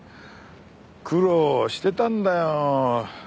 苦労してたんだよ。